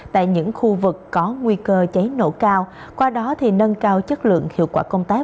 tại những khu vực có nguy cơ cháy nổ cao qua đó thì nâng cao chất lượng hiệu quả công tác